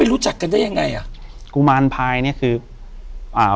อยู่ที่แม่ศรีวิรัยิลครับ